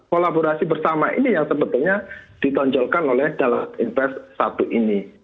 kolaborasi bersama ini yang sebetulnya ditonjolkan oleh dalam invest satu ini